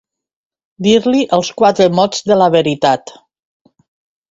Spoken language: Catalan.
Dir-li els quatre mots de la veritat.